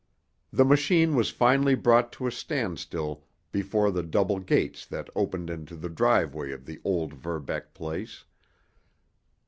The machine was finally brought to a standstill before the double gates that opened into the driveway of the old Verbeck place.